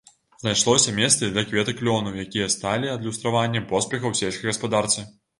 Знайшлося месца і для кветак лёну, якія сталі адлюстраваннем поспехаў у сельскай гаспадарцы.